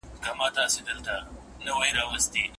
استاد څېړونکي ته خپلواکي ورکړې ده.